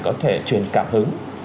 có thể truyền cảm hứng